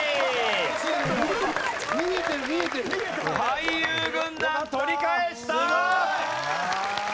俳優軍団取り返した！